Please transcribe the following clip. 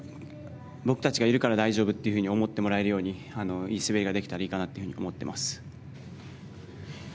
僕たちがいるから大丈夫だと思ってもらえるようにいい滑りができたらいいなと思っています。